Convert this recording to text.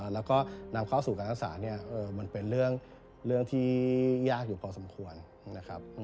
แล้วก็นำเข้าสู่การรักษาเนี่ยมันเป็นเรื่องที่ยากอยู่พอสมควรนะครับ